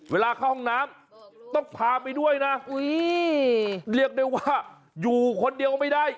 เวลาเข้าห้องน้ำต้องพาไปด้วยนะเรียกได้ว่าอยู่คนเดียวไม่ได้